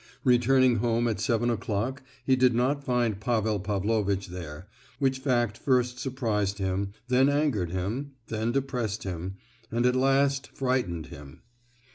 Returning home at seven o'clock he did not find Pavel Pavlovitch there, which fact first surprised him, then angered him, then depressed him, and at last, frightened him.